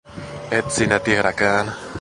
Et sinä tiedäkään.